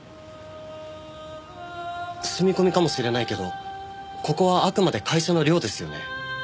住み込みかもしれないけどここはあくまで会社の寮ですよね？